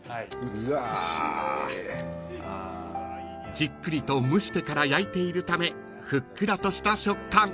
［じっくりと蒸してから焼いているためふっくらとした食感］